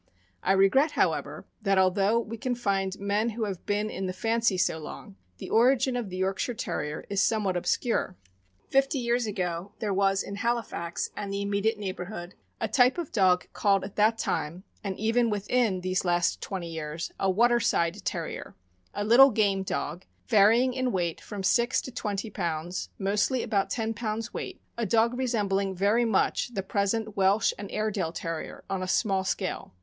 I regret, however, that, although we can find men who have been in the fancy so long, the origin of the Yorkshire Terrier is somewhat obscure. Fifty years ago, there was in Halifax, and the immediate neighbor hood, a type of dog called at that time (and even within these last twenty years) a " Waterside Terrier; " a little game dog, varying in weight from six to twenty pounds, mostly about ten pounds weight — a dog resembling very much the present Welsh and Airedale Terrier on a small scale.